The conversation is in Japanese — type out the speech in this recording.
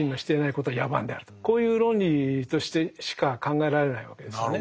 こういう論理としてしか考えられないわけですよね。